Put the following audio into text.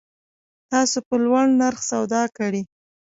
تاسو په لوړ نرخ سودا کړی